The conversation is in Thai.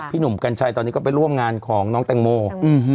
หนุ่มกัญชัยตอนนี้ก็ไปร่วมงานของน้องแตงโม